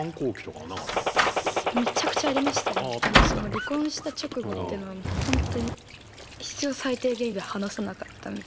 離婚した直後っていうのは本当に必要最低限以外話さなかったみたいな。